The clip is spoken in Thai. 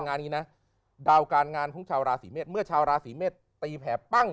งานนี้นะดาวการงานของชาวราศีเมษเมื่อชาวราศีเมษตีแผลปั้ง